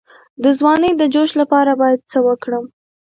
د ځوانۍ د جوش لپاره باید څه وکړم؟